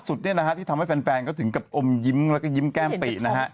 คือล่าสุดที่ทำให้แฟนก็ถึงกับอมยิ้มแล้วก็ยิ้มแก้มปี